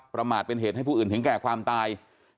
ประมาทเป็นเหตุให้ผู้อื่นถึงแก่ความตาย